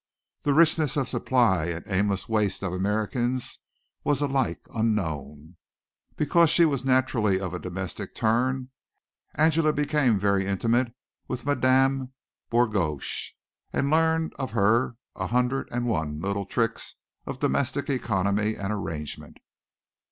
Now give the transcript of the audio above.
The richness of supply and aimless waste of Americans was alike unknown. Because she was naturally of a domestic turn Angela became very intimate with Madame Bourgoche and learned of her a hundred and one little tricks of domestic economy and arrangement.